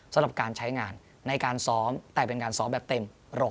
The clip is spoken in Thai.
สำหรับการใช้งานในการซ้อมแต่เป็นการซ้อมแบบเต็ม